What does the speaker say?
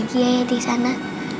kamu harus bahagia ya disana